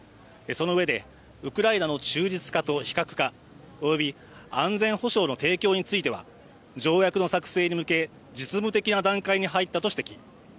そのうえで、ウクライナの中立化と非核化、および安全保障の提供については条約の作成に向け実務的な段階に入ったと指摘。